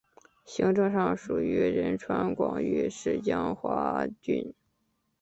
行政上属于仁川广域市江华郡。